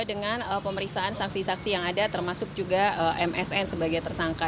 dengan pemeriksaan saksi saksi yang ada termasuk juga msn sebagai tersangka